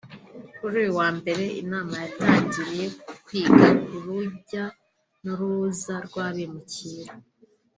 Kuri uyu wambere inama yatangiriye ku kwiga ku rujya n’uruza rw’abimukira